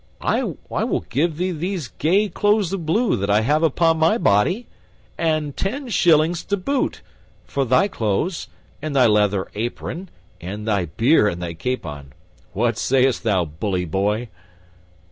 I will give thee these gay clothes of blue that I have upon my body and ten shillings to boot for thy clothes and thy leather apron and thy beer and thy capon. What sayst thou, bully boy?"